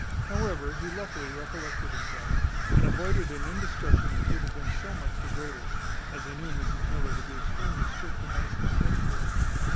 However, he luckily recollected himself, and avoided an indiscretion which would have been so much the greater, as he knew Mrs Miller to be extremely strict and nice in her principles.